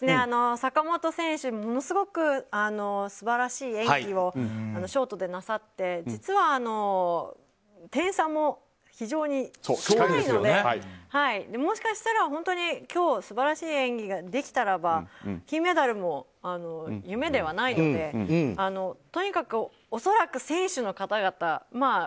坂本選手、ものすごく素晴らしい演技をショートでなさって実は点差も非常に近いのでもしかしたら本当に今日素晴らしい演技ができたらば金メダルも夢ではないのでとにかく、恐らく選手の方々